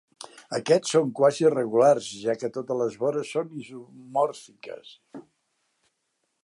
Aquests són "quasi-regulars", ja que totes les vores són isomòrfiques.